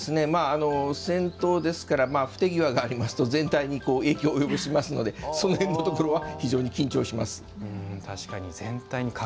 先頭ですから不手際がありますと全体に影響を及ぼしますのでそういうところは非常に緊張します。